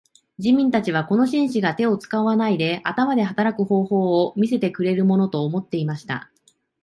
人民たちはこの紳士が手を使わないで頭で働く方法を見せてくれるものと思っていました。